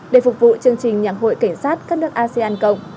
để phục vụ chương trình nhạc hội cảnh sát các nước asean cộng